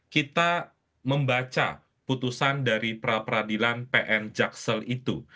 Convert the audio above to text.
kita membaca putusan dari pra peradilan pn jaksel itu